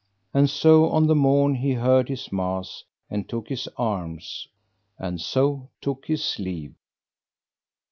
And so on the morn he heard his mass and took his arms, and so took his leave.